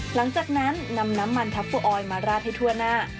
หลังจากนั้นนำน้ำมันทัพโปออยมาราดให้ทั่วหน้า